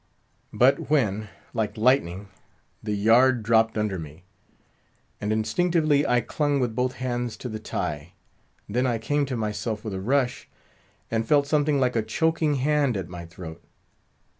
But when, like lightning, the yard dropped under me, and instinctively I clung with both hands to the "tie," then I came to myself with a rush, and felt something like a choking hand at my throat.